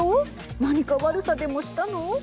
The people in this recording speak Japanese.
何か悪さでもしたの。